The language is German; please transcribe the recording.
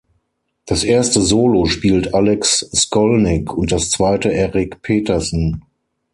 Das erste Solo spielt Alex Skolnick und das zweite Eric Peterson.